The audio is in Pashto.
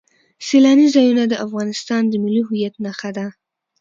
سیلانی ځایونه د افغانستان د ملي هویت نښه ده.